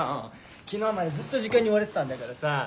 昨日までずっと時間に追われてたんだからさ。